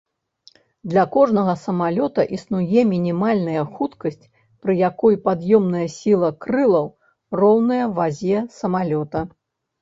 Для кожнага самалёта існуе мінімальная хуткасць, пры якой пад'ёмная сіла крылаў роўная вазе самалёта.